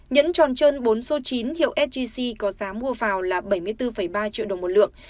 nhẫn tròn trơn bốn số chín hiệu sgc có giá mua vào là bảy mươi bốn ba triệu đồng một lượng